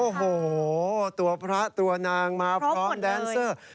โอ้โหตัวพระตัวนางมาพร้อมแดนเซอร์